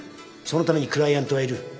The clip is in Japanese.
そのためにクライアントはいる